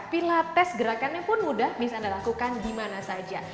pilates gerakannya pun mudah bisa anda lakukan di mana saja